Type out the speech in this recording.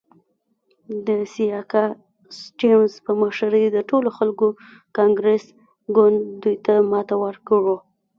د سیاکا سټیونز په مشرۍ د ټولو خلکو کانګرس ګوند دوی ته ماته ورکړه.